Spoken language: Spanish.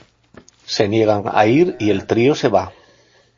Se niegan a ir y el trío se va.